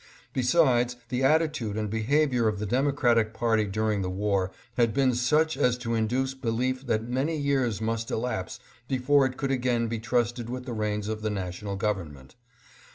Besides, the attitude and behavior of the Democratic party during the war had been such as to induce belief that many years must elapse before it could again be trusted with the reins of the National Government.